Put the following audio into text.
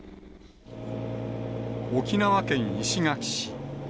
沖縄県石垣市。